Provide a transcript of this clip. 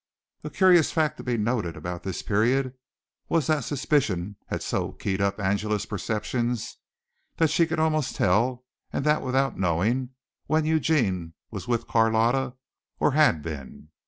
A curious fact to be noted about this period was that suspicion had so keyed up Angela's perceptions that she could almost tell, and that without knowing, when Eugene was with Carlotta or had been.